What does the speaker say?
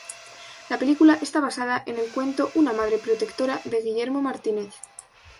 La película está basada en el cuento "Una madre protectora" de Guillermo Martínez.